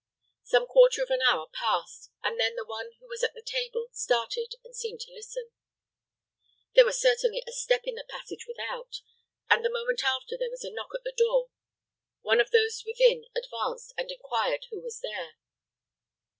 Some quarter of an hour passed, and then the one who was at the table started and seemed to listen. There was certainly a step in the passage without, and the moment after there was a knock at the door. One of those within advanced, and inquired who was there.